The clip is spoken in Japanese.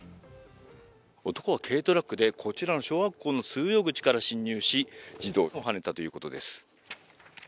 男は軽トラックでこちらの小学校の通用口から進入し、児童をはねたということです。